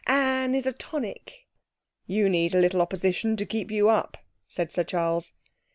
Anne is a tonic.' 'You need a little opposition to keep you up,' said Sir Charles.